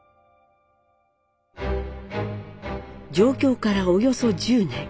上京からおよそ１０年。